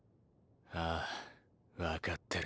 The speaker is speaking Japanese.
ああ分かってる。